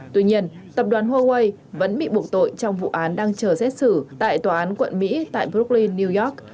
tuy nhiên tập đoàn huawei vẫn bị buộc tội trong vụ án đang chờ xét xử tại tòa án quận mỹ tại bruli new york